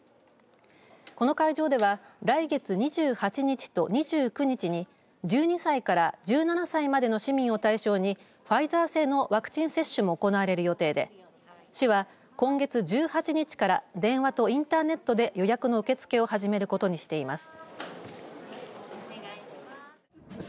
この会場では来月２８日と２９日に１２歳から１７歳までの市民を対象にファイザー製のワクチン接種も行われる予定で市は今月１８日から電話とインターネットで予約の受け付けを始めることにしています。